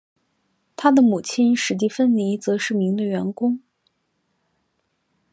他的母亲史蒂芬妮则是名的员工。